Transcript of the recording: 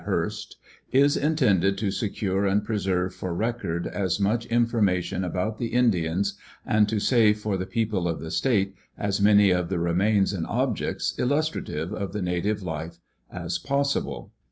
Hearst, is intended to secure and preserve for record as much information about the Indians, and to save for the people of the state as many of the remains and objects illustrative of native life, as possible.